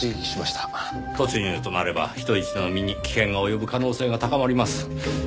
突入となれば人質の身に危険が及ぶ可能性が高まります。